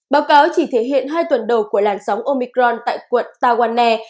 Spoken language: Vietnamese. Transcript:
báo cáo chỉ thể hiện hai tuần đầu của làn sóng omicron tại quận tawanna